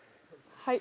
はい。